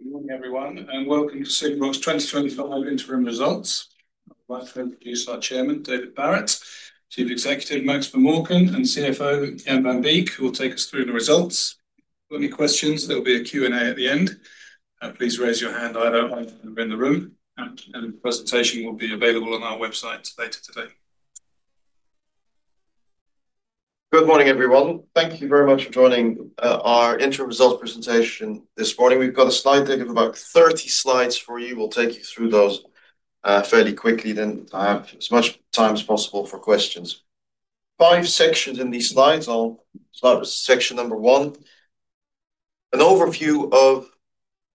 Good morning, everyone, and welcome to SigmaRoc's 2025 interim results. I'd like to introduce our Chairman, David Barrett, Chief Executive, Max Vermorken, and the CFO, Jan Van Beek, who will take us through the results. If you have any questions, there will be a Q&A at the end. Please raise your hand when you're in the room, and the presentation will be available on our website later today. Good morning, everyone. Thank you very much for joining our interim results presentation this morning. We've got a slide deck of about 30 slides for you. We'll take you through those fairly quickly, then I have as much time as possible for questions. Five sections in these slides. I'll start with section number one, an overview of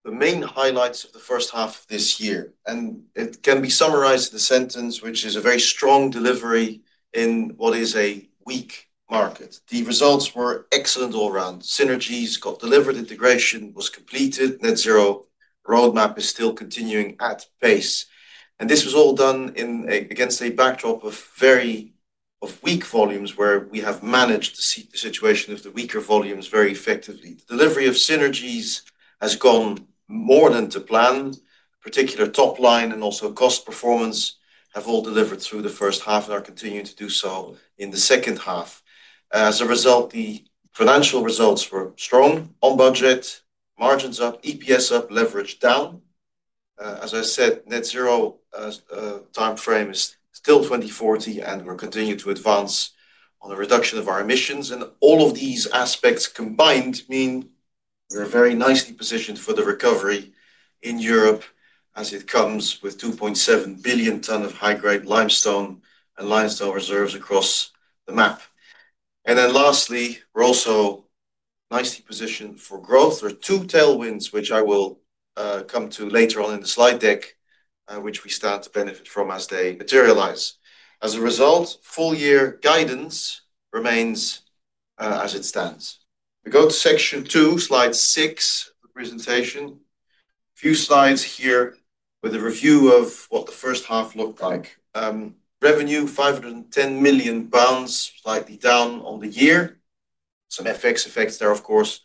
the main highlights of the first half of this year. It can be summarized in a sentence, which is a very strong delivery in what is a weak market. The results were excellent all around. Synergies got delivered, integration was completed, net zero roadmap is still continuing at pace. This was all done against a backdrop of very weak volumes where we have managed the situation of the weaker volumes very effectively. The delivery of synergies has gone more than to plan. Particular top line and also cost performance have all delivered through the first half and are continuing to do so in the second half. As a result, the financial results were strong on budget, margins up, EPS up, leverage down. As I said, net zero timeframe is still 2040, and we're continuing to advance on the reduction of our emissions. All of these aspects combined mean we're very nicely positioned for the recovery in Europe as it comes with 2.7 billion tons of high-grade limestone and limestone reserves across the map. Lastly, we're also nicely positioned for growth. There are two tailwinds, which I will come to later on in the slide deck, which we start to benefit from as they materialize. As a result, full-year guidance remains as it stands. We go to section two, slide six of the presentation. A few slides here with a review of what the first half looked like. Revenue 510 million pounds, slightly down on the year. Some FX effects there, of course,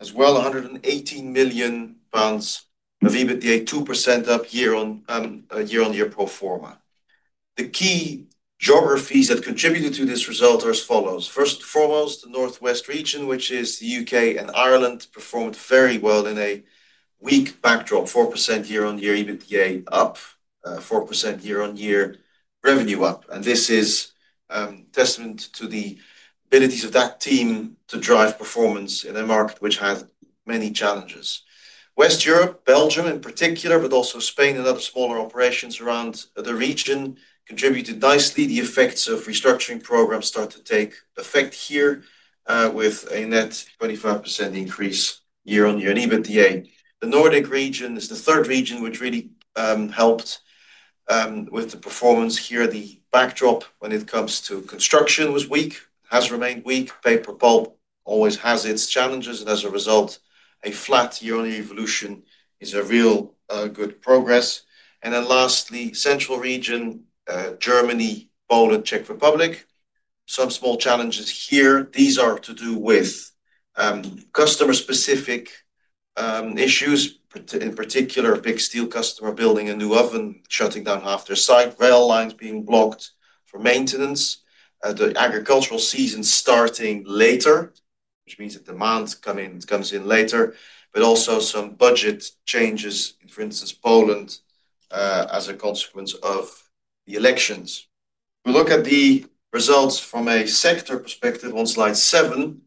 as well. 118 million pounds EBITDA, 2% up year on year on a pro forma basis. The key geographies that contributed to this result are as follows. First and foremost, the Northwest region, which is the U.K. and Ireland, performed very well in a weak backdrop, 4% year on year, EBITDA up, 4% year on year revenue up. This is a testament to the abilities of that team to drive performance in a market which has many challenges. West Europe, Belgium in particular, but also Spain and other smaller operations around the region contributed nicely. The effects of restructuring programs start to take effect here with a net 25% increase year on year in EBITDA. The Nordic region is the third region which really helped with the performance here. The backdrop when it comes to construction was weak, has remained weak. Paper pulp always has its challenges, and as a result, a flat year on year evolution is a real good progress. Lastly, the central region, Germany, Poland, Czech Republic, some small challenges here. These are to do with customer-specific issues, in particular, a big steel customer building a new oven, shutting down half their site, rail lines being blocked for maintenance, the agricultural season starting later, which means that demand comes in later, but also some budget changes, for instance, Poland, as a consequence of the elections. If we look at the results from a sector perspective on slide seven,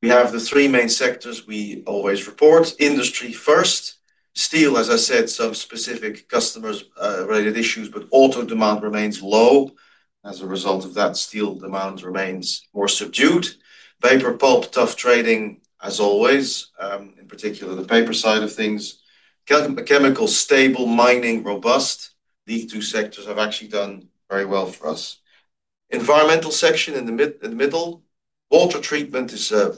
we have the three main sectors we always report. Industry first. Steel, as I said, some specific customer-related issues, but auto demand remains low. As a result of that, steel demand remains more subdued. Paper pulp, tough trading, as always, in particular the paper side of things. Chemical stable, mining robust. These two sectors have actually done very well for us. Environmental section in the middle. Water treatment is a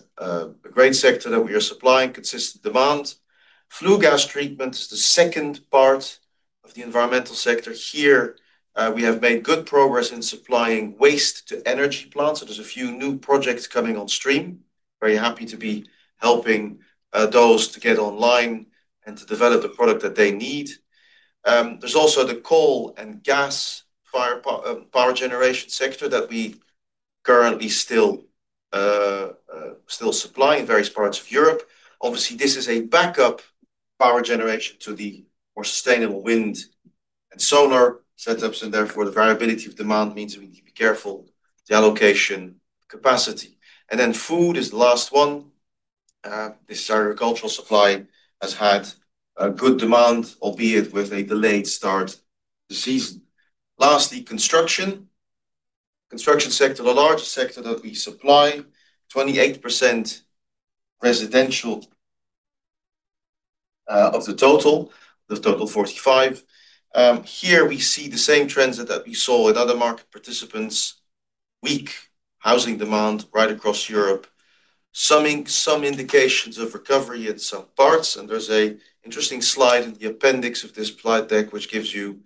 great sector that we are supplying, consistent demand. Flue gas treatment is the second part of the environmental sector. Here, we have made good progress in supplying waste to energy plants. There are a few new projects coming on stream. Very happy to be helping those to get online and to develop a product that they need. There is also the coal and gas power generation sector that we currently still supply in various parts of Europe. Obviously, this is a backup power generation to the more sustainable wind and solar setups, and therefore the variability of demand means we need to be careful with the allocation capacity. Food is the last one. This agricultural supply has had a good demand, albeit with a delayed start to the season. Lastly, construction. Construction sector, the largest sector that we supply, 28% residential of the total, the total 45%. Here we see the same trends that we saw in other market participants. Weak housing demand right across Europe. There are some indications of recovery in some parts, and there's an interesting slide in the appendix of this slide deck which gives you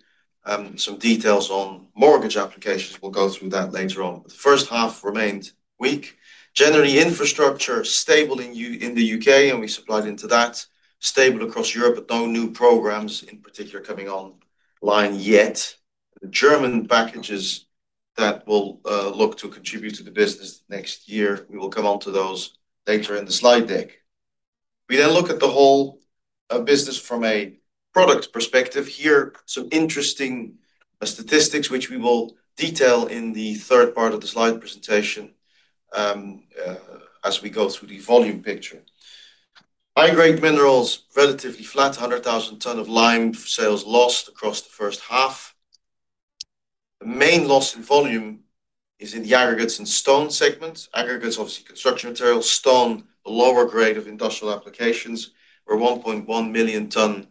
some details on mortgage applications. We'll go through that later on. The first half remained weak. Generally, infrastructure is stable in the U.K., and we supplied into that. Stable across Europe, but no new programs in particular coming online yet. The German packages that will look to contribute to the business next year, we will come on to those later in the slide deck. We then look at the whole business from a product perspective. Here, some interesting statistics which we will detail in the third part of the slide presentation as we go through the volume picture. High-grade minerals, relatively flat, 100,000 tons of lime sales lost across the first half. The main loss in volume is in the aggregates and stone segments. Aggregates, obviously, construction materials, stone, the lower grade of industrial applications, where 1.1 million tons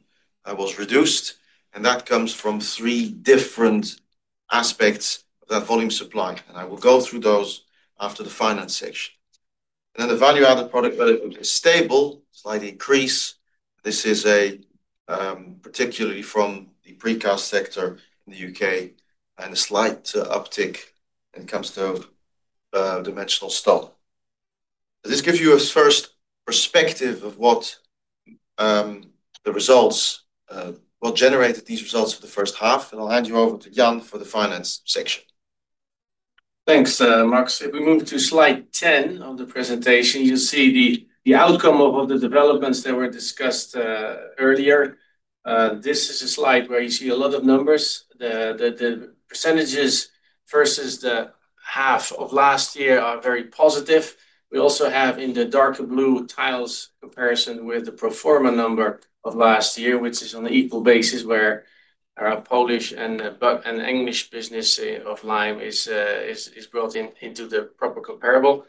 was reduced. That comes from three different aspects of that volume supply. I will go through those after the finance section. The value-added product is stable by decrease. This is particularly from the pre-cast sector in the U.K. and a slight uptick when it comes to dimension stone. This gives you a first perspective of what the results were generated, these results of the first half. I'll hand you over to Jan for the finance section. Thanks, Max. If we move to slide 10 of the presentation, you'll see the outcome of the developments that were discussed earlier. This is a slide where you see a lot of numbers. The percentages versus the half of last year are very positive. We also have in the darker blue tiles a comparison with the pro forma number of last year, which is on an equal basis where our Polish and English business of lime is brought into the proper comparable.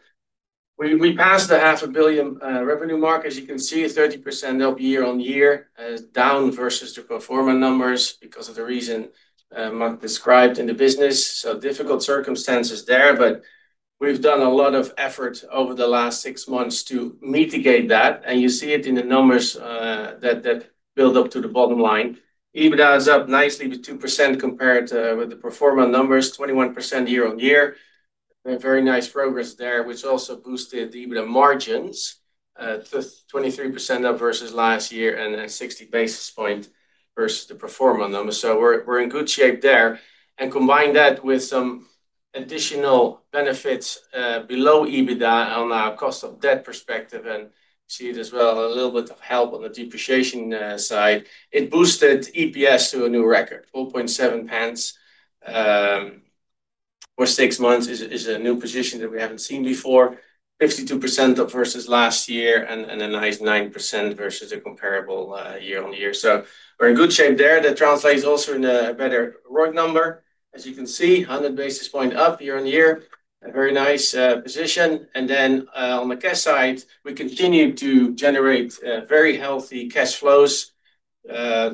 We passed the half a billion revenue mark, as you can see, 30% up year on year, down versus the pro forma numbers because of the reason Max described in the business. Difficult circumstances there, but we've done a lot of efforts over the last six months to mitigate that. You see it in the numbers that build up to the bottom line. EBITDA is up nicely with 2% compared with the pro forma numbers, 21% year on year. Very nice progress there, which also boosted the EBITDA margins, 23% up versus last year and 60 basis points versus the pro forma numbers. We're in good shape there. Combine that with some additional benefits below EBITDA on our cost of debt perspective and see it as well a little bit of help on the depreciation side. It boosted EPS to a new record, 4.7 for six months, is a new position that we haven't seen before. 52% up versus last year and a nice 9% versus the comparable year on year. We're in good shape there. That translates also in a better ROG number. As you can see, 100 basis points up year on year. A very nice position. On the cash side, we continue to generate very healthy cash flows.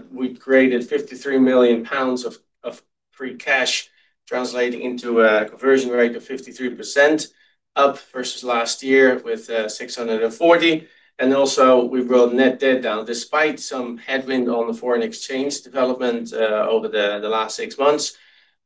We created 53 million pounds of free cash, translated into a conversion rate of 53% up versus last year with 640. We brought net debt down despite some headwind on the foreign exchange development over the last six months.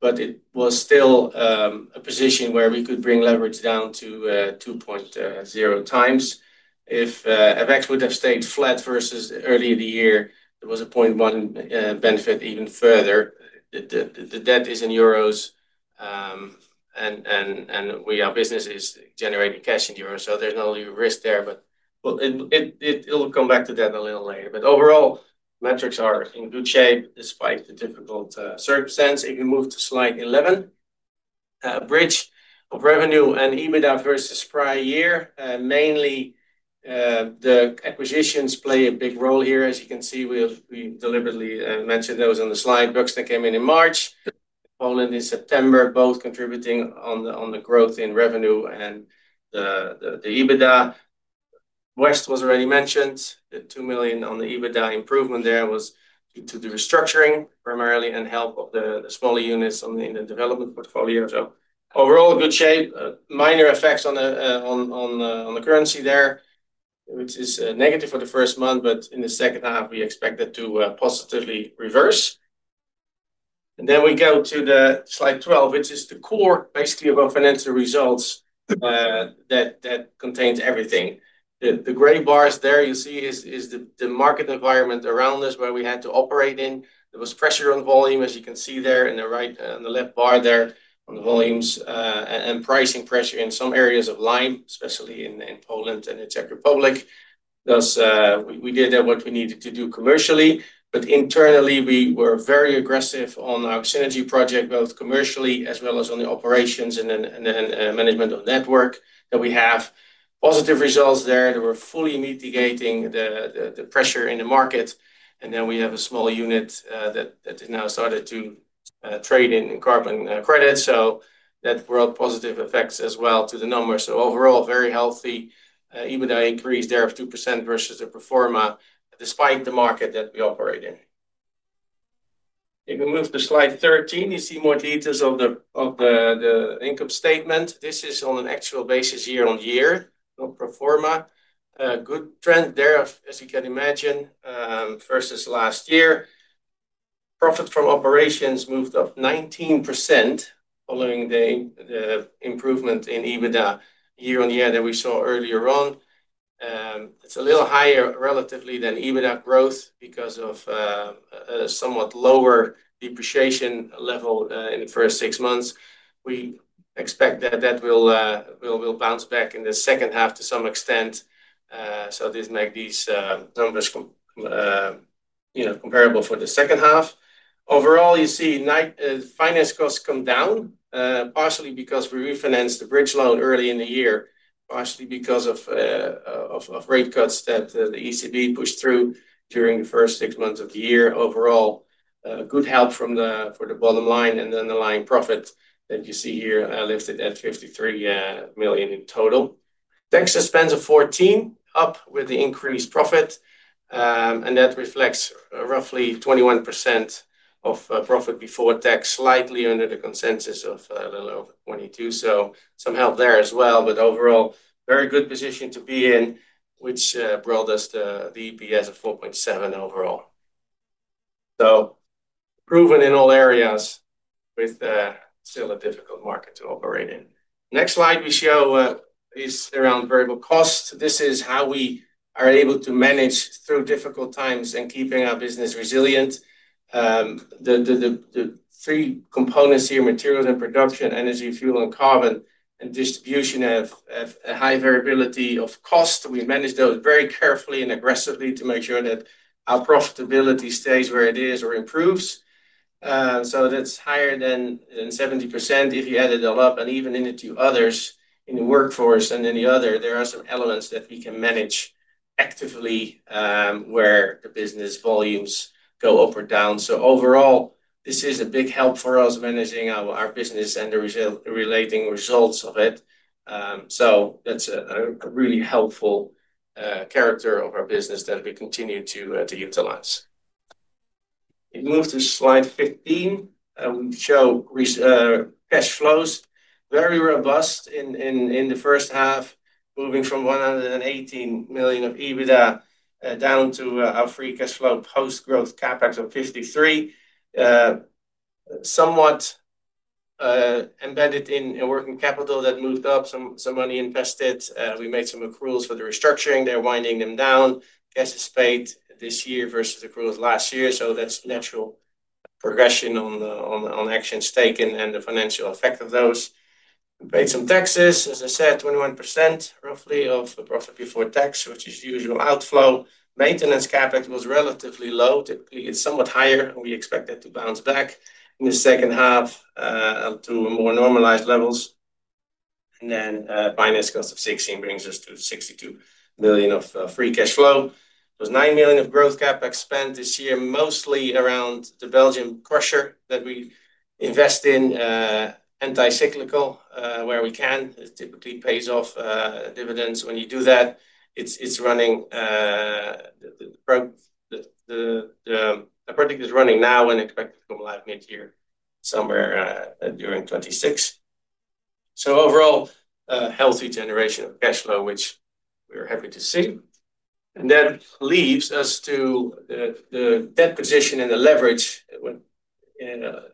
It was still a position where we could bring leverage down to 2.0 x. If FX would have stayed flat versus earlier in the year, there was a 0.1x benefit even further. The debt is in euros and our business is generating cash in euros. There's not only a risk there, but I'll come back to that a little later. Overall, metrics are in good shape despite the difficult circumstances. If you move to slide 11, a bridge of revenue and EBITDA versus prior year, mainly the acquisitions play a big role here. As you can see, we deliberately mentioned those on the slide. Buxton came in in March. [Poland] in September, both contributing on the growth in revenue and the EBITDA. West was already mentioned. The 2 million on the EBITDA improvement there was due to the restructuring primarily and help of the smaller units in the development portfolio. Overall, good shape. Minor effects on the currency there, which is negative for the first month, but in the second half, we expect it to positively reverse. We go to slide 12, which is the core basically of our financial results that contains everything. The gray bars there, you'll see, is the market environment around us where we had to operate in. There was pressure on volume, as you can see there in the right and the left bar there on the volumes and pricing pressure in some areas of lime, especially in Poland and in Czech Republic. We did what we needed to do commercially. Internally, we were very aggressive on our synergy project, both commercially as well as on the operations and the management of the network. We have positive results there. They were fully mitigating the pressure in the market. We have a small unit that has now started to trade in carbon credits. That brought positive effects as well to the numbers. Overall, very healthy EBITDA increase there of 2% versus the pro forma despite the market that we operate in. If we move to slide 13, you see more details of the income statement. This is on an actual basis year on year, not pro forma. A good trend there, as you can imagine, versus last year. Profit from operations moved up 19% following the improvement in EBITDA year on year that we saw earlier on. It's a little higher relatively than EBITDA growth because of a somewhat lower depreciation level in the first six months. We expect that that will bounce back in the second half to some extent. This makes these numbers comparable for the second half. Overall, you see finance costs come down partially because we refinanced the bridge loan early in the year, partially because of rate cuts that the ECB pushed through during the first six months of the year. Overall, good help for the bottom line and the underlying profit that you see here lifted at 53 million in total. The excess spends of 14 million up with the increased profit. That reflects roughly 21% of profit before tax, slightly under the consensus of a little over 22%. Some help there as well. Overall, very good position to be in, which brought us the EPS of 4.7 overall. Proven in all areas with still a difficult market to operate in. Next slide, we show is around variable costs. This is how we are able to manage through difficult times and keeping our business resilient. The three components here, material and production, energy, fuel, and carbon, and distribution have a high variability of cost. We manage those very carefully and aggressively to make sure that our profitability stays where it is or improves. That's higher than 70% if you add it all up. Even in the two others, in the workforce and in the other, there are some elements that we can manage actively where the business volumes go up or down. Overall, this is a big help for us managing our business and the relating results of it. That's a really helpful character of our business that we continue to utilize. If you move to slide 15, we show cash flows. Very robust in the first half, moving from 118 million of EBITDA down to our free cash flow post-growth CapEx of 53 million. Somewhat embedded in a working capital that moved up, some money invested. We made some accruals for the restructuring. They're winding them down. Guess it's paid this year versus accruals last year. That's natural progression on actions taken and the financial effect of those. We paid some taxes. As I said, 21% roughly of the profit before tax, which is the usual outflow. Maintenance CapEx was relatively low. Typically, it's somewhat higher, and we expect it to bounce back in the second half to more normalized levels. Finance cost of 16 million brings us to 62 million of free cash flow. It was 9 million of growth CapEx spent this year, mostly around the Belgium [quarter] that we invest in, anti-cyclical where we can. It typically pays off dividends when you do that. A project is running now and expected to go live mid-year somewhere during 2026. Overall, a healthy generation of cash flow, which we're happy to see. That leaves us to the debt position and the leverage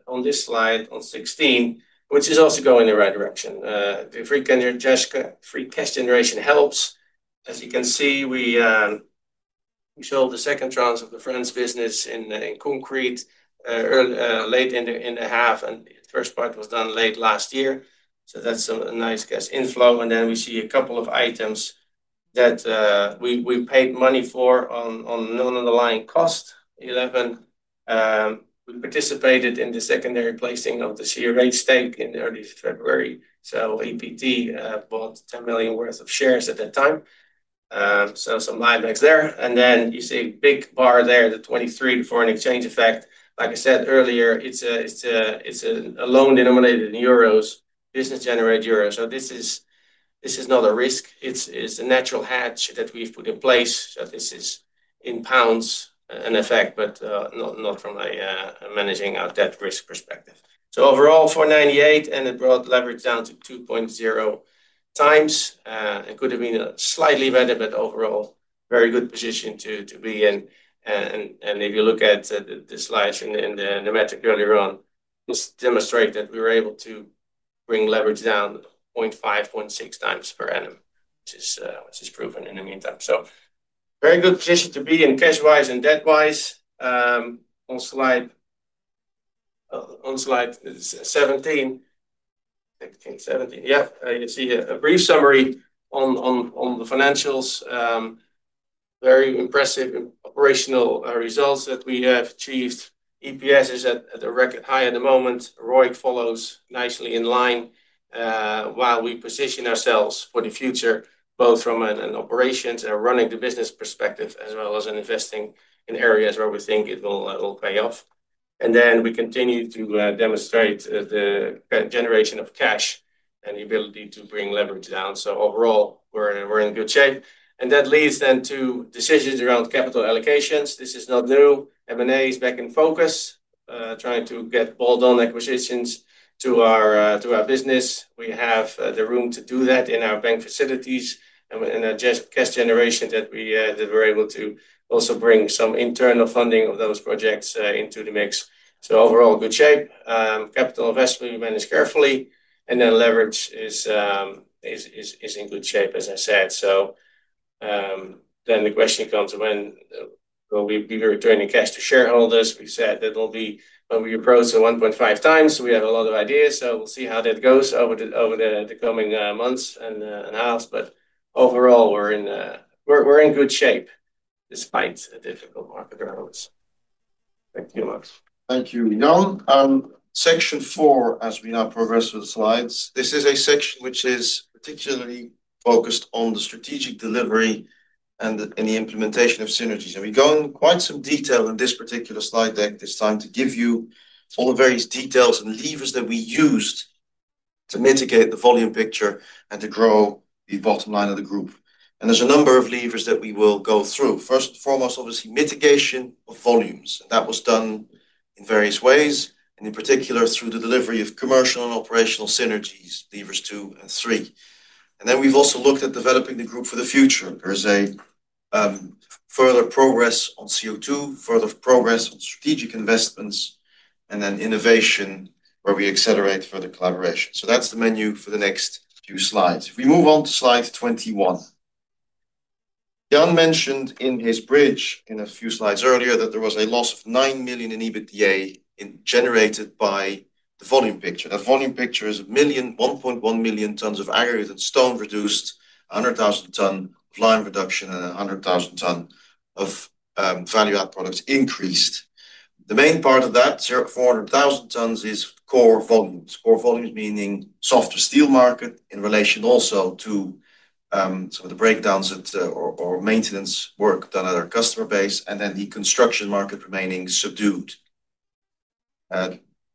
on this slide on 16, which is also going in the right direction. The free cash generation helps. As you can see, we sold the second tranche of the France business in concrete, late in the half, and the first part was done late last year. That's a nice cash inflow. We see a couple of items that we paid money for on non-underlying cost. We participated in the secondary placing of the CRA stake in early February. EPT bought 10 million worth of shares at that time. Some live eggs there. You see a big bar there, the 23 in foreign exchange effect. Like I said earlier, it's a loan denominated in euros, business-generated euros. This is not a risk. It's a natural hedge that we've put in place. This is in pounds in effect, but not from a managing our debt risk perspective. Overall, 498 million, and it brought leverage down to 2.0 x. It could have been slightly better, but overall, very good position to be in. If you look at the slides in the metric earlier on, it demonstrates that we were able to bring leverage down 0.5x, 0.6 x per annum, which is proven in the meantime. Very good position to be in cash-wise and debt-wise. On slide 17, you see a brief summary on the financials. Very impressive operational results that we have achieved. EPS is at a record high at the moment. ROIC follows nicely in line while we position ourselves for the future, both from an operations and running the business perspective, as well as investing in areas where we think it will pay off. We continue to demonstrate the generation of cash and the ability to bring leverage down. Overall, we're in good shape. That leads to decisions around capital allocations. This is not new. M&A is back in focus, trying to get bolt-on acquisitions to our business. We have the room to do that in our bank facilities and the cash generation that we're able to also bring some internal funding of those projects into the mix. Overall, good shape. Capital investment we manage carefully. Leverage is in good shape, as I said. The question comes when will we be returning cash to shareholders? We said that it'll be when we approach 1.5 x. We have a lot of ideas. We'll see how that goes over the coming months and hours. Overall, we're in good shape despite a difficult market around us. Thank you a lot. Thank you, Jan. Section four, as we now progress with the slides, this is a section which is particularly focused on the strategic delivery and the implementation of synergies. We've gone in quite some detail in this particular slide deck this time to give you all the various details and levers that we used to mitigate the volume picture and to grow the bottom line of the group. There's a number of levers that we will go through. First and foremost, obviously, mitigation of volumes. That was done in various ways, in particular through the delivery of commercial and operational synergies, levers two and three. We've also looked at developing the group for the future. There is further progress on CO2, further progress on strategic investments, and then innovation where we accelerate further collaboration. That's the menu for the next few slides. We move on to slide 21. Jan mentioned in his bridge a few slides earlier that there was a loss of 9 million in EBITDA generated by the volume picture. That volume picture is 1.1 million tons of aggregate and stone reduced, 100,000 tons of lime reduction, and 100,000 tons of value-added products increased. The main part of that, circa 400,000 tons, is core volumes. Core volumes meaning soft to steel market in relation also to some of the breakdowns or maintenance work done at our customer base, and the construction market remaining subdued.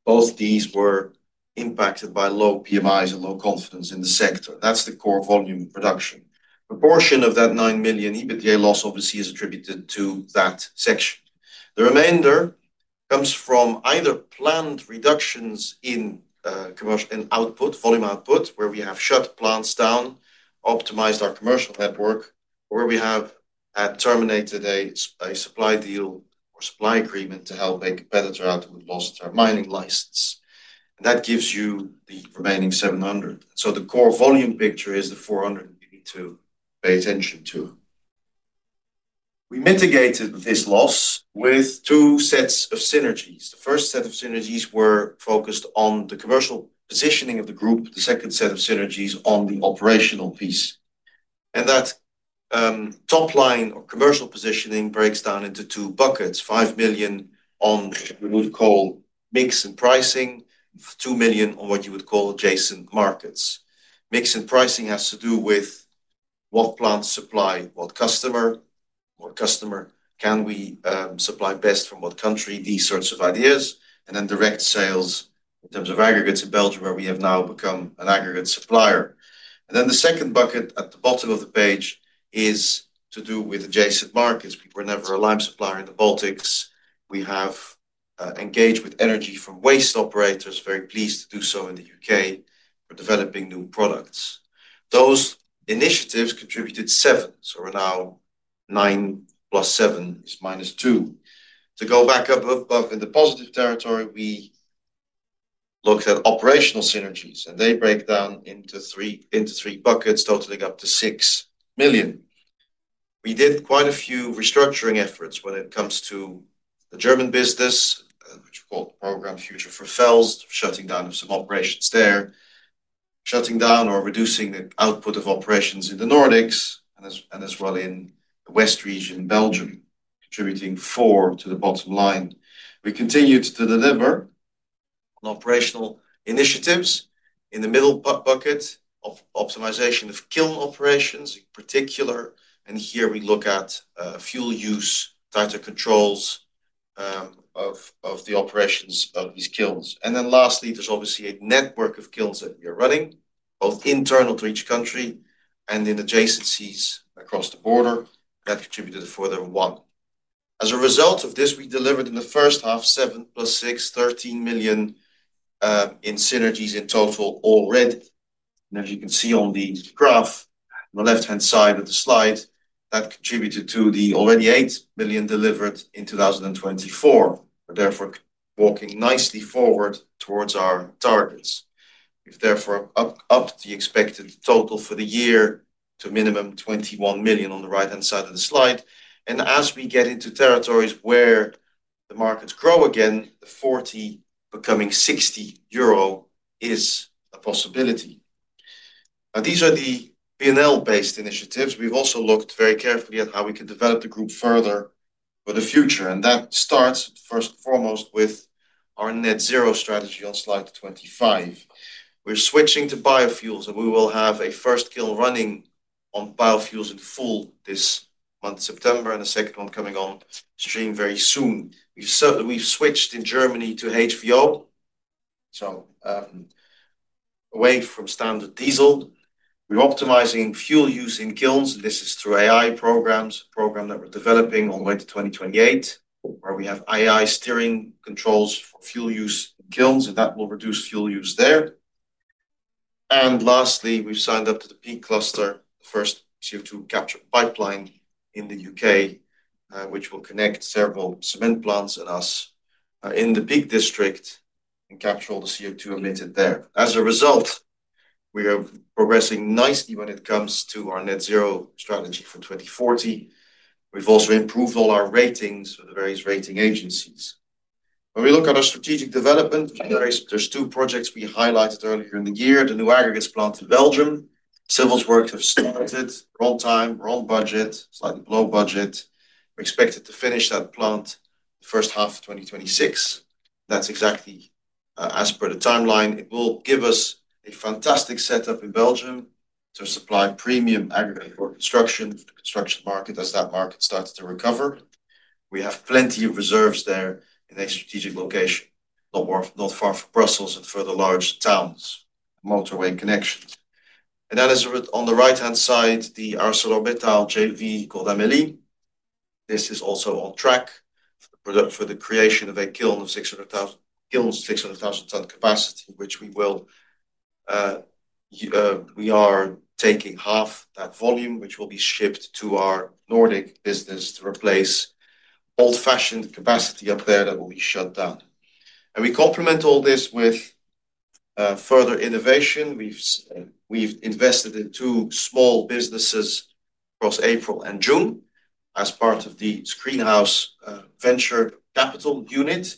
Both of these were impacted by low PMIs and low confidence in the sector. That's the core volume reduction. A portion of that 9 million EBITDA loss, obviously, is attributed to that section. The remainder comes from either planned reductions in commercial and output, volume output, where we have shut plants down, optimized our commercial network, or where we have terminated a supply deal or supply agreement to help a competitor out who lost their mining license. That gives you the remaining 700. The core volume picture is the 400 you need to pay attention to. We mitigated this loss with two sets of synergies. The first set of synergies were focused on the commercial positioning of the group. The second set of synergies on the operational piece. That top line of commercial positioning breaks down into two buckets: 5 million on what we would call mixed pricing, 2 million on what you would call adjacent markets. Mixed pricing has to do with what plants supply, what customer, what customer can we supply best from what country, these sorts of ideas, and then direct sales in terms of aggregates in Belgium where we have now become an aggregate supplier. The second bucket at the bottom of the page is to do with adjacent markets. We were never a lime supplier in the Baltics. We have engaged with energy from waste operators, very pleased to do so in the U.K., for developing new products. Those initiatives contributed seven. We're now [9 + 7 - 2]. To go back up above in the positive territory, we looked at operational synergies, and they break down into three buckets, totaling up to 6 million. We did quite a few restructuring efforts when it comes to the German business, which is called [Programme Future for FELS], shutting down some operations there, shutting down or reducing the output of operations in the Nordics, and as well in the West region in Belgium, contributing four to the bottom line. We continued to deliver on operational initiatives. In the middle bucket of optimization of kiln operations in particular, and here we look at fuel use, tighter controls of the operations of these kilns. Lastly, there's obviously a network of kilns that we are running, both internal to each country and in adjacencies across the border. That contributed a further one. As a result of this, we delivered in the first half, 7 million + 6 million, 13 million in synergies in total already. As you can see on the graph on the left-hand side of the slide, that contributed to the already 8 million delivered in 2024. We're therefore walking nicely forward towards our targets. We've therefore upped the expected total for the year to a minimum of 21 million on the right-hand side of the slide. As we get into territories where the markets grow again, the [40 becoming 60 euro] is a possibility. These are the BNL-based initiatives. We've also looked very carefully at how we could develop the group further for the future. That starts, first and foremost, with our net zero strategy on slide 25. We're switching to biofuels, and we will have a first kiln running on biofuels in full this month, September, and a second one coming on stream very soon. We've switched in Germany to HVO, so away from standard diesel. We're optimizing fuel use in kilns, and this is through AI programs, a program that we're developing all the way to 2028, where we have AI steering controls for fuel use in kilns, and that will reduce fuel use there. Lastly, we've signed up to the Peak Cluster, the first CO2 capture pipeline in the U.K., which will connect several cement plants and us in the big district and capture all the CO2 emitted there. As a result, we are progressing nicely when it comes to our net zero strategy for 2040. We've also improved all our ratings with the various rating agencies. When we look at our strategic development, there are two projects we highlighted earlier in the year. The new aggregate plant in Belgium, civil work has started, wrong time, wrong budget, slightly below budget. We're expected to finish that plant in the first half of 2026. That's exactly as per the timeline. It will give us a fantastic setup in Belgium to supply premium aggregate construction for the construction market as that market starts to recover. We have plenty of reserves there in that strategic location, not far from Brussels and further large towns, motorway connections. On the right-hand side, the ArcelorMittal JV [Gondamelie]. This is also on track for the creation of a kiln of 600,000 tons capacity, which we will, we are taking half that volume, which will be shipped to our Nordic business to replace old-fashioned capacity up there that will be shut down. We complement all this with further innovation. We've invested in two small businesses across April and June as part of the SkreenHouse Venture capital unit.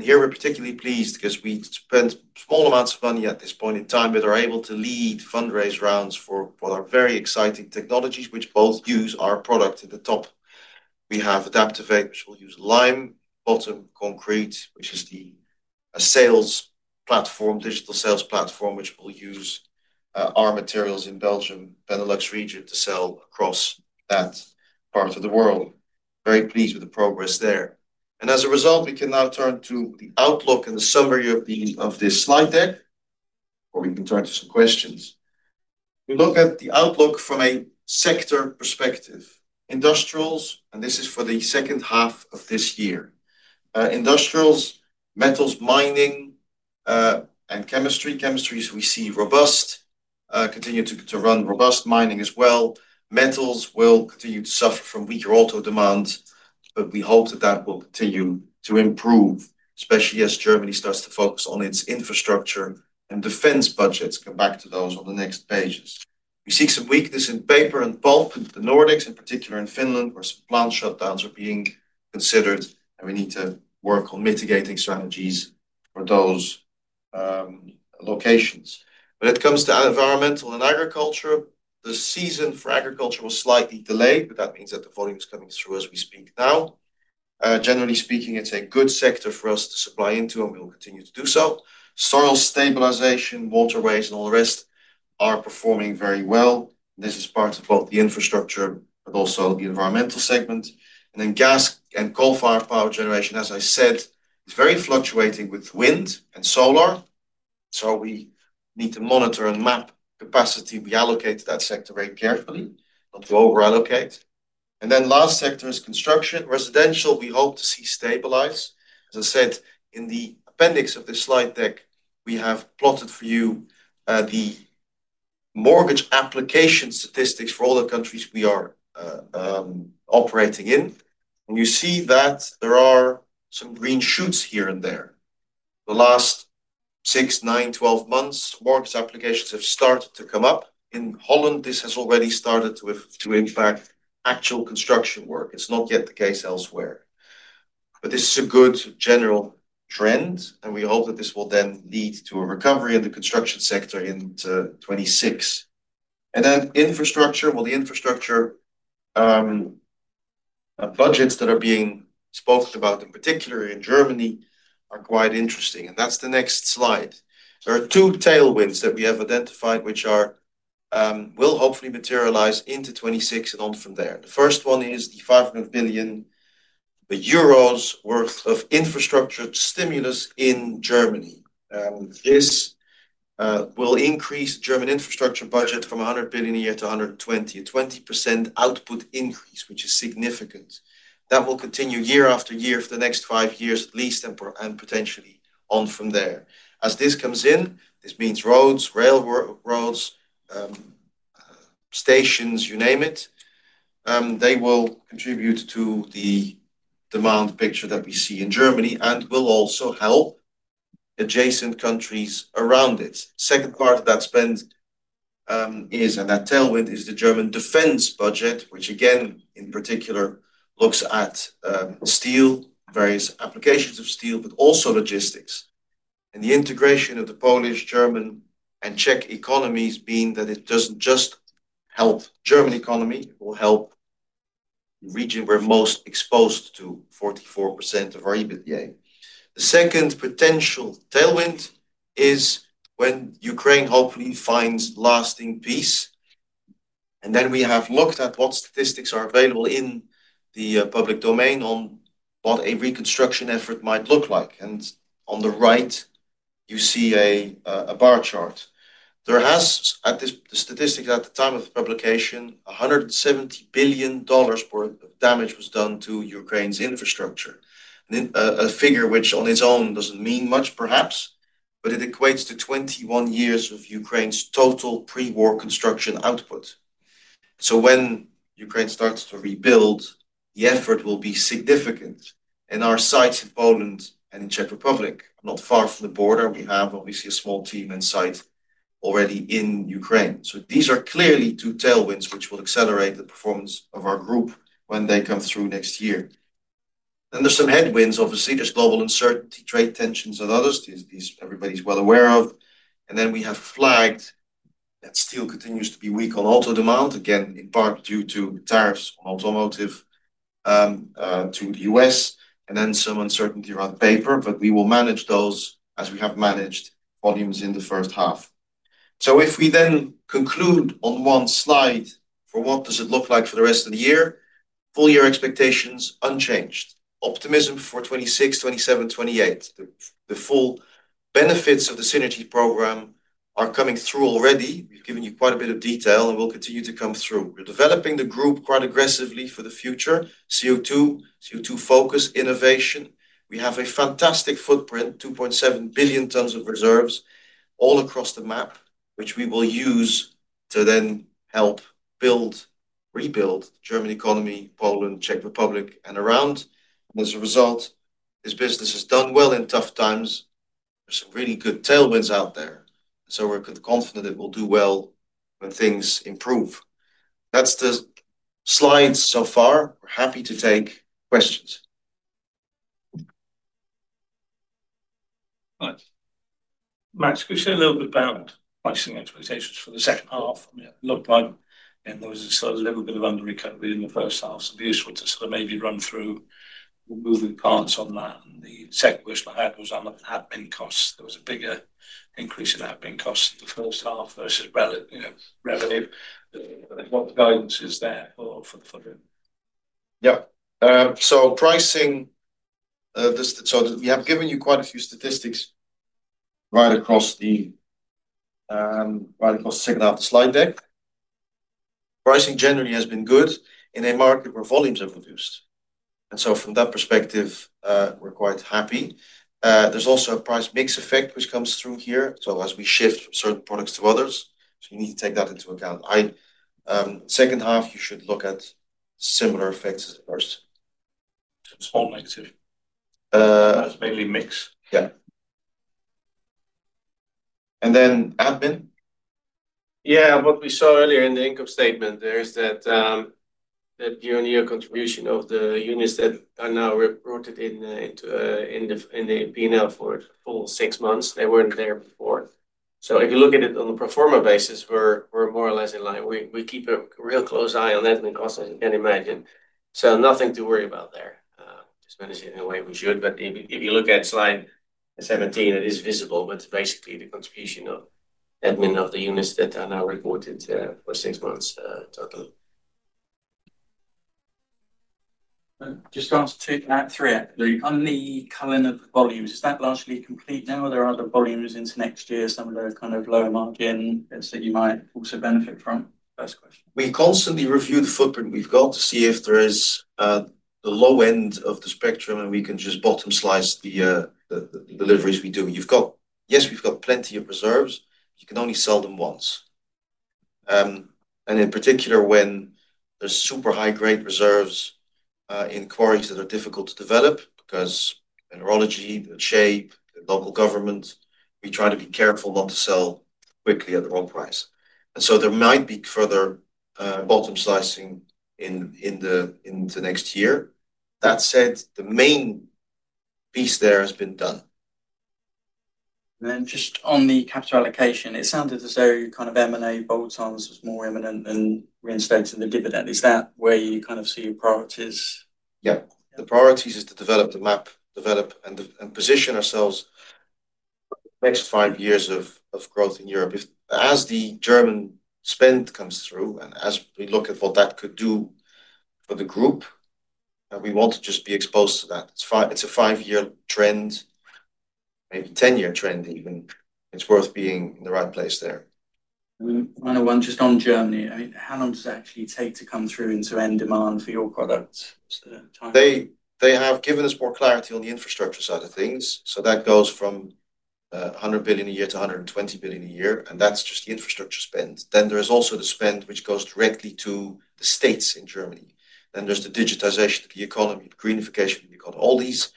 Here we're particularly pleased because we spend small amounts of money at this point in time, but are able to lead fundraise rounds for what are very exciting technologies, which both use our product at the top. We have Adaptavate, which will use lime bottom concrete, which is a sales platform, digital sales platform, which will use our materials in Belgium, Benelux region to sell across that part of the world. Very pleased with the progress there. As a result, we can now turn to the outlook and the summary of this slide deck, or we can turn to some questions. We look at the outlook from a sector perspective. Industrials, and this is for the second half of this year. Industrials, metals, mining, and chemistry. Chemistry is, we see, robust, continue to run robust mining as well. Metals will continue to suffer from weaker auto demand, but we hope that will continue to improve, especially as Germany starts to focus on its infrastructure and defense budgets. Go back to those on the next page. We see some weakness in paper and pulp in the Nordics, in particular in Finland, where some plant shutdowns are being considered, and we need to work on mitigating strategies for those locations. When it comes to environmental and agriculture, the season for agriculture was slightly delayed, but that means the volume is coming through as we speak now. Generally speaking, it's a good sector for us to supply into, and we will continue to do so. Soil stabilization, waterways, and all the rest are performing very well. This is part of both the infrastructure but also the environmental segment. Gas and coal-fired power generation, as I said, is very fluctuating with wind and solar. We need to monitor and map capacity. We allocate that sector very carefully, not overallocate. The last sector is construction. Residential, we hope to see stabilize. As I said, in the appendix of this slide deck, we have plotted for you the mortgage application statistics for all the countries we are operating in. You see that there are some green shoots here and there. The last 6, 9, 12 months, mortgage applications have started to come up. In Holland, this has already started to, in fact, actual construction work. It's not yet the case elsewhere. This is a good general trend, and we hope that this will then lead to a recovery in the construction sector in 2026. Infrastructure budgets that are being spoken about, particularly in Germany, are quite interesting. That's the next slide. There are two tailwinds that we have identified, which will hopefully materialize into 2026 and on from there. The first one is the 500 million euros worth of infrastructure stimulus in Germany. This will increase the German infrastructure budget from 100 billion a year to 120 billion, a 20% output increase, which is significant. That will continue year after year for the next five years, at least, and potentially on from there. As this comes in, this means roads, railroads, stations, you name it, they will contribute to the demand picture that we see in Germany and will also help adjacent countries around it. The second part of that spend is, and that tailwind is the German defense budget, which again, in particular, looks at steel, various applications of steel, but also logistics. The integration of the Polish, German, and Czech economies, being that it doesn't just help the German economy, it will help the region we're most exposed to, 44% of our EBITDA. The second potential tailwind is when Ukraine hopefully finds lasting peace. We have looked at what statistics are available in the public domain on what a reconstruction effort might look like. On the right, you see a bar chart. At the statistics at the time of the publication, $170 billion worth of damage was done to Ukraine's infrastructure. A figure which on its own doesn't mean much, perhaps, but it equates to 21 years of Ukraine's total pre-war construction output. When Ukraine starts to rebuild, the effort will be significant. In our sites in Poland and in Czech Republic, not far from the border, we have obviously a small team in site already in Ukraine. These are clearly two tailwinds which will accelerate the performance of our group when they come through next year. There's some headwinds, obviously, there's global uncertainty, trade tensions and others. These everybody's well aware of. We have flagged that steel continues to be weak on auto demand, again, in part due to tariffs on automotive to the U.S. There's some uncertainty around the paper, but we will manage those as we have managed volumes in the first half. If we then conclude on one slide for what does it look like for the rest of the year, full-year expectations unchanged. Optimism for 2026, 2027, 2028. The full benefits of the synergy program are coming through already. We've given you quite a bit of detail and will continue to come through. We're developing the group quite aggressively for the future. CO2, CO2 focus, innovation. We have a fantastic footprint, 2.7 billion tons of reserves all across the map, which we will use to then help build, rebuild the German economy, Poland, Czech Republic, and around. As a result, this business has done well in tough times. There's some really good tailwinds out there. We're confident it will do well when things improve. That's the slides so far. We're happy to take questions. Max, could you say a little bit about pricing expectations for the second half? I mean, a lot of buying in was a little bit of under recovery in the first half. The issue with this may be run through moving parts on that. The second question I had was on the admin costs. There was a bigger increase in admin costs in the first half versus revenue. What guidance is there for the project? Yeah. Pricing, just to tell you, we have given you quite a few statistics right across the second half of the slide deck. Pricing generally has been good in a market where volumes are produced, and from that perspective, we're quite happy. There's also a price mix effect which comes through here. As we shift certain products to others, we need to take that into account. Second half, you should look at similar effects as the first. Spotlight. Maybe mix. Yeah. Admin? Yeah, what we saw earlier in the income statement there is that year-on-year contribution of the units that are now reported in the P&L for all six months. They weren't there before. If you look at it on a pro forma basis, we're more or less in line. We keep a real close eye on admin costs, as you can imagine. Nothing to worry about there, as well as in a way we should. If you look at slide 17, it is visible, but basically the contribution of admin of the units that are now reported for six months totally. Just trying to take that through. The only column of the volumes, does that largely complete? Now there are other volumes into next year, some of the kind of lower margin that you might also benefit from? We constantly review the footprint we've got to see if there is the low end of the spectrum and we can just bottom slice the deliveries we do. Yes, we've got plenty of reserves. You can only sell them once. In particular, when there's super high-grade reserves in quarries that are difficult to develop because of mineralogy, the shape, the local government, we try to be careful not to sell quickly at the wrong price. There might be further bottom slicing in the next year. That said, the main piece there has been done. On the capital allocation, it sounded as though your kind of M&A bolt-ons was more imminent than reinvesting the dividend. Is that where you kind of see your priorities? Yeah, the priorities are to develop the map, develop and position ourselves next five years of growth in Europe. As the German spend comes through, and as we look at what that could do for the group, we want to just be exposed to that. It's a five-year trend, maybe a 10-year trend even. It's worth being in the right place there. We're on one just on Germany. How long does it actually take to come through into end demand for your products? They have given us more clarity on the infrastructure side of things. That goes from 100 billion a year to 120 billion a year, and that's just the infrastructure spend. There's also the spend which goes directly to the states in Germany. There's the digitization, the economy, the greenification. All these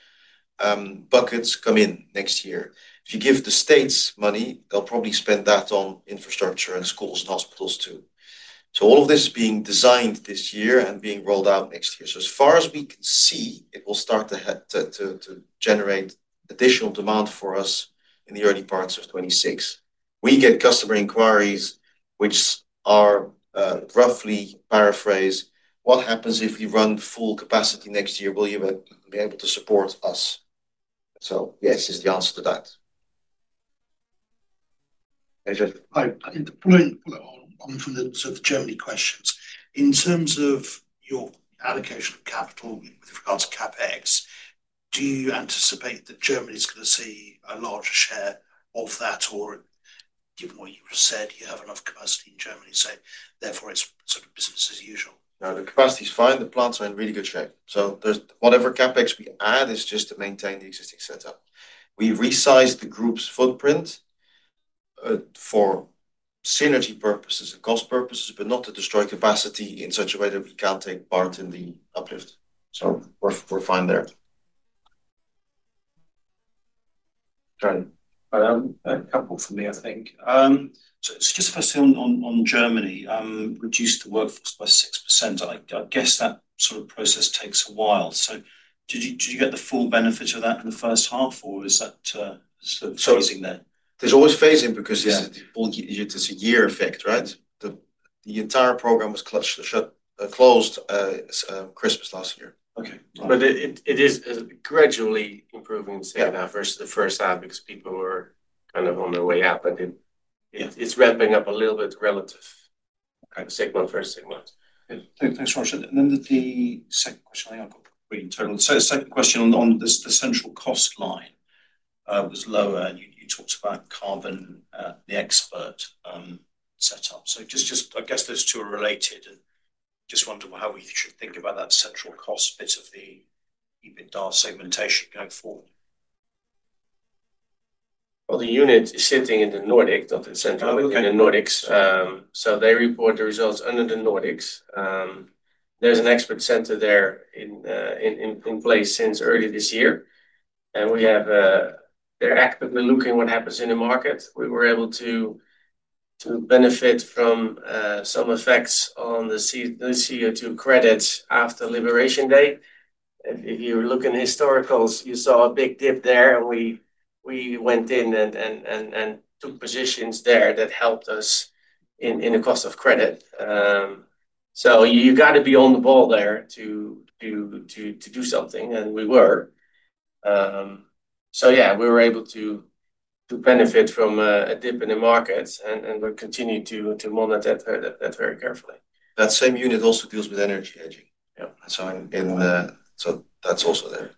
buckets come in next year. If you give the states money, they'll probably spend that on infrastructure and schools and hospitals too. All of this is being designed this year and being rolled out next year. As far as we can see, it will start to generate additional demand for us in the early parts of 2026. We get customer inquiries which are roughly paraphrased, "What happens if we run full capacity next year? Will you be able to support us?" Yes, this is the answer to that. I think the point coming from the sort of Germany questions, in terms of your allocation of capital with regard to CapEx, do you anticipate that Germany is going to see a larger share of that, or given what you just said, you have enough capacity in Germany, so therefore it's sort of business as usual? No, the capacity is fine. The plants are in really good shape. Whatever CapEx we add is just to maintain the existing setup. We've resized the group's footprint for synergy purposes and cost purposes, not to destroy capacity in such a way that we can't take part in the uplift. We're fine there. Okay. That's helpful for me, I think. Just a question on Germany, reduce the workforce by 6%. I guess that sort of process takes a while. Did you get the full benefit of that in the first half, or is that still phasing there? There's always phasing because, yeah, it's a year effect, right? The entire program was clutched to shut, closed at Christmas last year. It is gradually improving now versus the first half because people were kind of on their way out. It's ramping up a little bit relative at the first segment. Thanks. The second question, I think I've got three total. The second question on the central cost line was lower. You talked about carbon and the export setup. I guess those two are related. I just wonder how we should think about that central cost bit of the EBITDA segmentation going forward. The unit is sitting in the Nordics, not in the Central, in the Nordics. They report the results under the Nordics. There's an export center there in place since early this year. They are actively looking at what happens in the market. We were able to benefit from some effects on the CO2 credits after Liberation Day. If you look in historicals, you saw a big dip there, and we went in and took positions there that helped us in the cost of credit. You've got to be on the ball there to do something, and we were. We were able to benefit from a dip in the markets, and we'll continue to monitor that very carefully. That same unit also deals with energy hedging. Yeah, that's right. That's also there.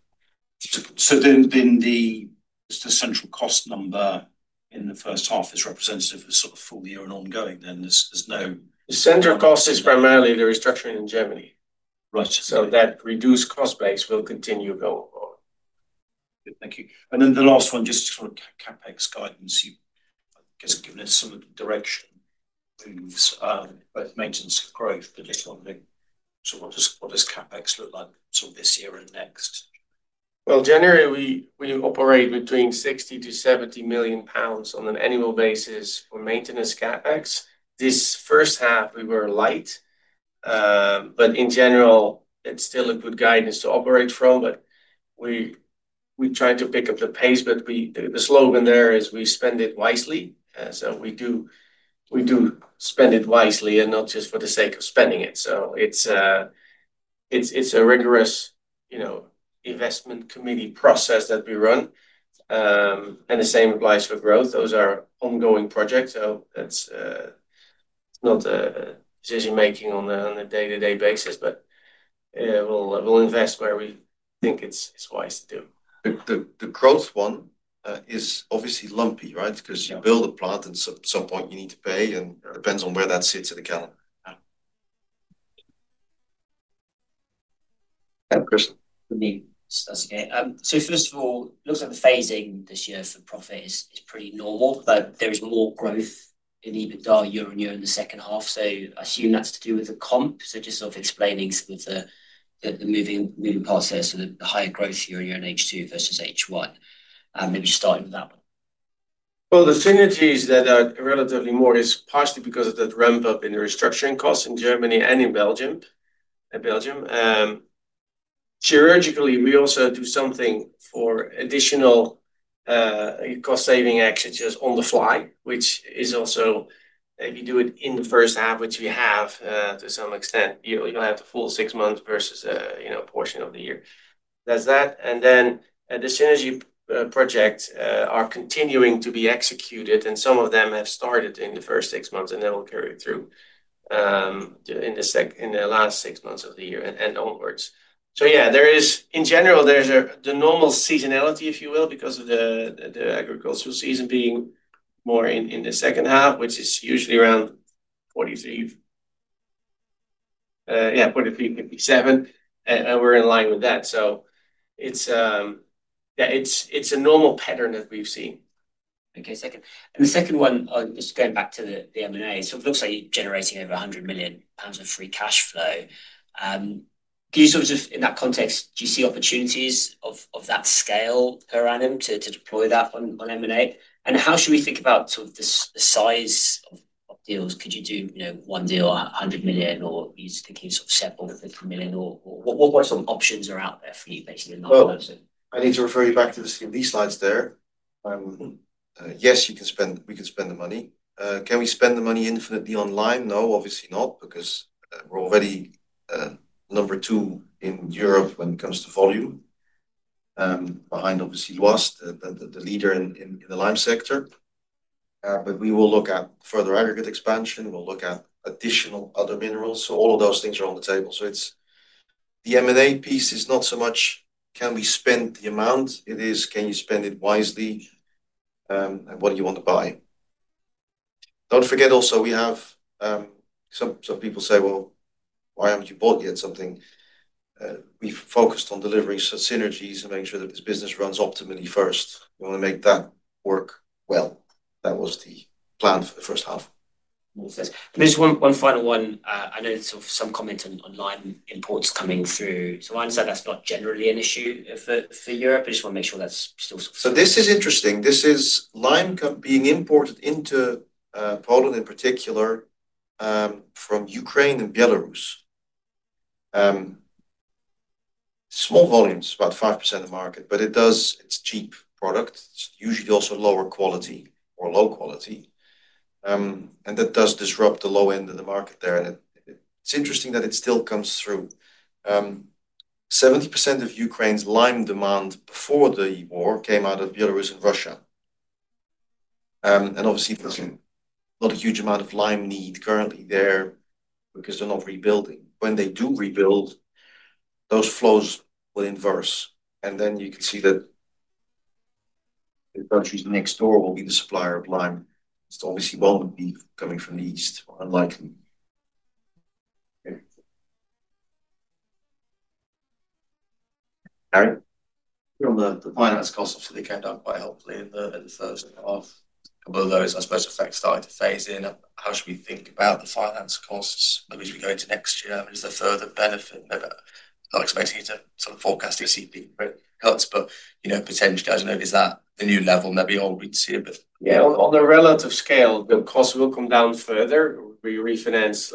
The central cost number in the first half is representative of sort of full year and ongoing. There's no. The central cost is primarily the restructuring in Germany. Right. That reduced cost base will continue going forward. Thank you. The last one, just for CapEx guidance, you've given us some of the direction for maintenance growth. Just wondering, what does CapEx look like this year and next? Generally, we operate between 60 million - 70 million pounds on an annual basis for maintenance CapEx. This first half, we were light, but in general, it's still a good guidance to operate from. We try to pick up the pace, but the slogan there is we spend it wisely. We do spend it wisely and not just for the sake of spending it. It's a rigorous, you know, investment committee process that we run. The same applies for growth. Those are ongoing projects. It's not a decision-making on a day-to-day basis, but we'll invest where we think it's wise to do. The growth one is obviously lumpy, right? Because you build a plant and at some point you need to pay, and it depends on where that sits in the CapEx. Okay. For me, that's okay. First of all, it looks like the phasing this year for profit is pretty normal, but there is more growth in EBITDA year on year in the second half. I assume that's to do with the comp. Just sort of explaining some of the moving parts there, the higher growth year on year in H2 versus H1, maybe starting with that. The synergies that are relatively more is partially because of that ramp-up in the restructuring costs in Germany and in Belgium. In Belgium, theoretically, we also do something for additional cost-saving expenditures on the fly, which is also maybe do it in the first half, which we have to some extent. You'll have the full six months versus a portion of the year. That's that. The synergy projects are continuing to be executed, and some of them have started in the first six months, and they will carry through in the last six months of the year and onwards. There is, in general, the normal seasonality, if you will, because of the agricultural season being more in the second half, which is usually around 43%, yeah, 43%, 57%. We're in line with that. It's a normal pattern that we've seen. Okay, second. The second one, just going back to the M&A. It looks like you're generating over 100 million pounds of free cash flow. In that context, do you see opportunities of that scale per annum to deploy that on M&A? How should we think about the size deals? Could you do one deal at 100 million, or are you thinking [750 million], or what sort of options are out there for you basically in that context? I need to refer you back to the CD slides there. Yes, you can spend, we can spend the money. Can we spend the money infinitely on lime? No, obviously not, because we're already number two in Europe when it comes to volume, behind obviously Lhoist, the leader in the lime sector. We will look at further aggregate expansion. We'll look at additional other minerals. All of those things are on the table. The M&A piece is not so much, can we spend the amount? It is, can you spend it wisely? And what do you want to buy? Don't forget also, we have some people say, why haven't you bought yet something? We focused on deliveries for synergies and make sure that this business runs optimally first. We want to make that work well. That was the plan for the first half. Makes sense. There's one final one. I noticed some comment on lime imports coming through. I understand that's not generally an issue for Europe. I just want to make sure that's still. This is interesting. This is lime being imported into Poland in particular from Ukraine and Belarus. Small volumes, about 5% of the market, but it does, it's a cheap product. It's usually also lower quality or low quality. That does disrupt the low end of the market there. It's interesting that it still comes through. 70% of Ukraine's lime demand before the war came out of Belarus and Russia. Obviously, there's not a huge amount of lime need currently there because they're not rebuilding. When they do rebuild, those flows will inverse. You can see that the countries next door will be the supplier of lime. It's obviously more of a beef coming from the east, unlikely. On the finance costs, obviously they came down quite heavily in the first half. Both those are supposed to affect starting to phase in. How should we think about the finance costs? Maybe as we go into next year, I mean, is there further benefit? I'm not expecting you to sort of forecast your [CP cuts], but you know potentially, I don't know if it's at the new level and that we all read to see it. Yeah, on the relative scale, costs will come down further. We refinanced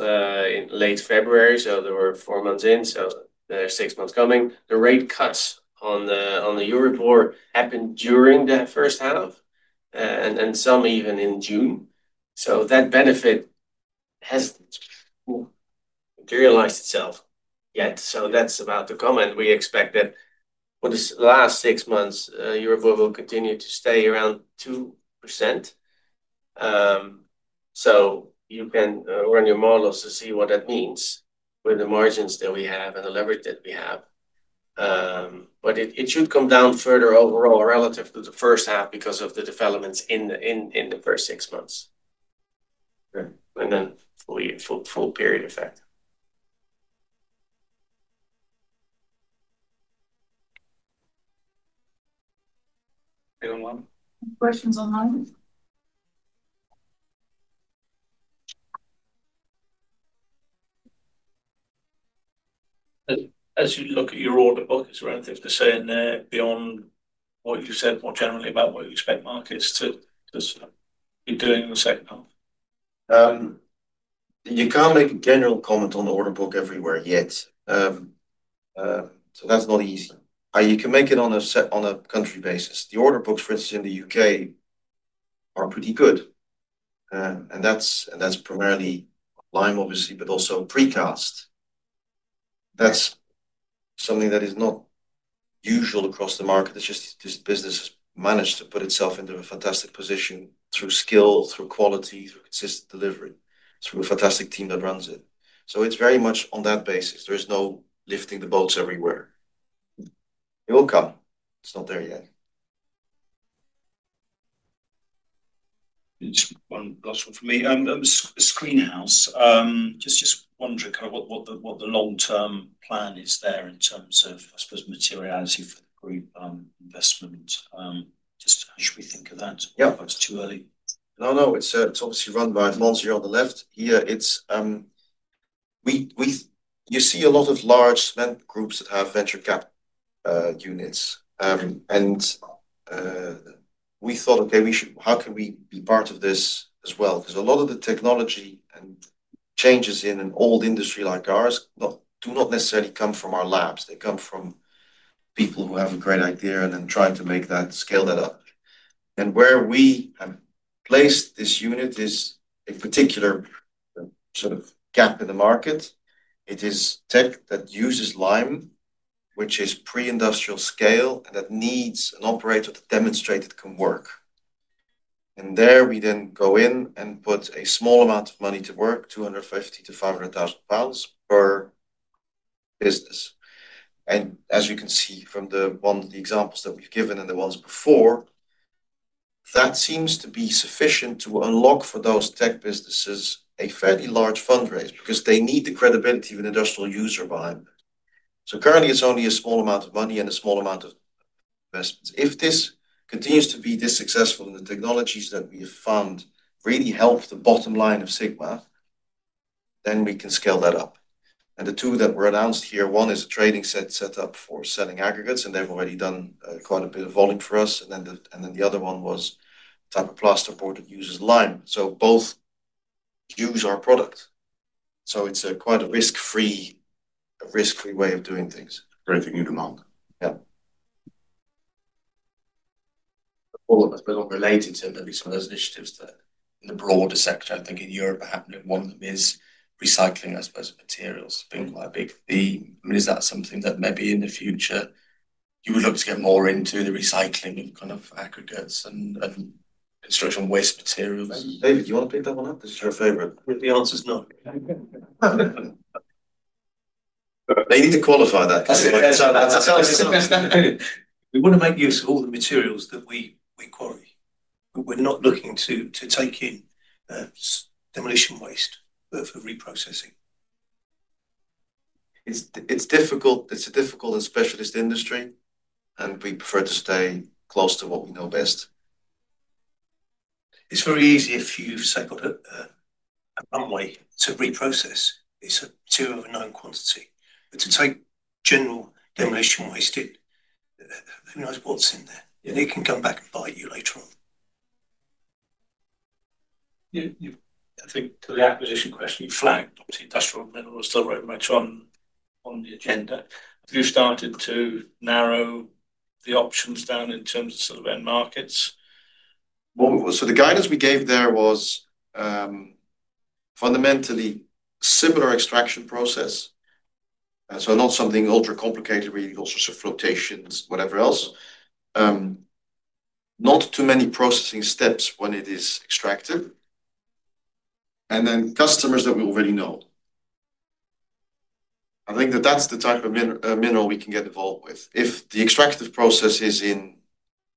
in late February, so there were four months in, so there's six months coming. The rate cuts on the Euribor happened during that first half, and some even in June. That benefit hasn't materialized itself yet. That's about to come. We expect that for the last six months, Euribor will continue to stay around 2%. You can run your models to see what that means with the margins that we have and the leverage that we have. It should come down further overall relative to the first half because of the developments in the first six months, and then for the full period effect. Anyone? Questions online? As you look at your order book as relative to saying beyond what you said more generally about what you expect markets to just be doing in the second half? You can't make a general comment on the order book everywhere yet. That's not easy. You can make it on a country basis. The order books, for instance, in the U.K. are pretty good. That's primarily lime, obviously, but also pre-cast. That's something that is not usual across the market. It's just this business managed to put itself into a fantastic position through skill, through quality, through consistent delivery, through a fantastic team that runs it. It's very much on that basis. There is no lifting the boats everywhere. It will come. It's not there yet. One last one for me. The SkreenHouse, just wondering kind of what the long-term plan is there in terms of, I suppose, materiality for the group investment. Just how should we think of that? Yeah, it's too early. No, no, it's obviously run by monsieur on the left. Yeah, you see a lot of large spend groups have venture capital units. We thought, okay, how can we be part of this as well? A lot of the technology and changes in an old industry like ours do not necessarily come from our labs. They come from people who have a great idea and then try to make that scale up. Where we have placed this unit is a particular sort of gap in the market. It is tech that uses lime, which is pre-industrial scale, and that needs an operator to demonstrate it can work. We then go in and put a small amount of money to work, 250,000 - 500,000 pounds per business. As you can see from one of the examples that we've given and the ones before, that seems to be sufficient to unlock for those tech businesses a fairly large fundraiser because they need the credibility of an industrial user behind them. Currently, it's only a small amount of money and a small amount of investment. If this continues to be this successful and the technologies that we have found really help the bottom line of Sigma, then we can scale that up. The two that were announced here, one is a trading setup for selling aggregates, and they've already done quite a bit of volume for us. The other one was a type of plasterboard that uses lime. Both use our product. It's quite a risk-free way of doing things. Creating new demand. Yeah. They're not related to any of those initiatives in the broader sector. I think in Europe, they're happening at one that is recycling, I suppose, materials. I think they're quite big. I mean, is that something that maybe in the future you would look to get more into the recycling kind of aggregates and construction waste material? David, do you want to pick that one up? That's your favorite. The answer's no. They need to qualify that. We want to make use of all the materials that we quarry. We're not looking to take in demolition waste for reprocessing. It's difficult. It's a difficult and specialist industry, and we prefer to stay close to what we know best. It's very easy if you've cycled it one way to reprocess. It's a [2 of 9] quantity. To take general demolition waste in, who knows what's in there. It can come back and bite you later on. To the acquisition question, you flagged industrial minerals very much on the agenda. Have you started to narrow the options down in terms of end markets? The guidance we gave there was fundamentally a similar extraction process, not something ultra-complicated, really, all sorts of flotations, whatever else. Not too many processing steps when it is extractive, and then customers that we already know. I think that's the type of mineral we can get involved with. If the extractive process is in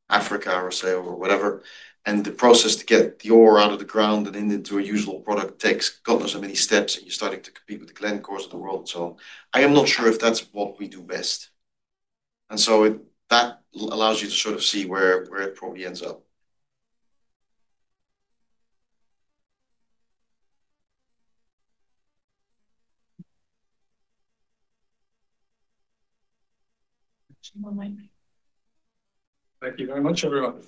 Africa or, say, whatever, and the process to get the ore out of the ground and into a usable product takes God knows how many steps, and you're starting to compete with the Glencores of the world, I am not sure if that's what we do best. That allows you to sort of see where it probably ends up. Two more wind. Thank you very much, everyone.